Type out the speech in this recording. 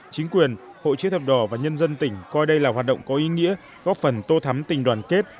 chính quyền hội chữ thập đỏ và nhân dân tỉnh coi đây là hoạt động có ý nghĩa góp phần tô thắm tình đoàn kết